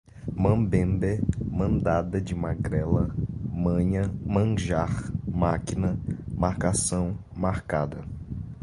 mambembe, mandada de magrela, manha, manjar, máquina, marcação, marcada